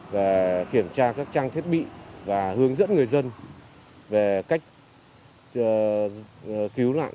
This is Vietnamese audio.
và kiểm tra các trang thiết bị và hướng dẫn người dân về cách cứu nạn